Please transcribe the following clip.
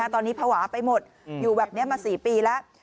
ตอนนี้ภาวะไปหมดอยู่แบบนี้มา๔ปีแล้ว